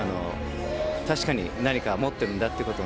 確かに何か持ってるんだってことをね